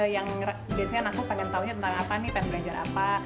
yang biasanya aku pengen taunya tentang apa nih pengen belajar apa